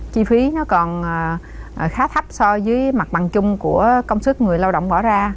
chi phí nó còn khá thấp so với mặt bằng chung của công sức người lao động bỏ ra